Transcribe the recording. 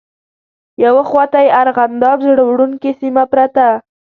یوه خواته یې ارغنداب زړه وړونکې سیمه پرته.